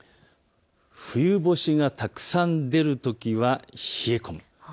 冬星がたくさん出るときは冷え込む。